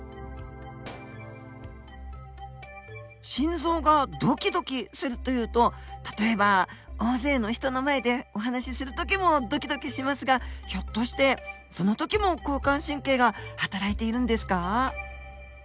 心臓がドキドキするというと例えば大勢の人の前でお話しするときもドキドキしますがひょっとしてそのときも交感神経がはたらいているんですか？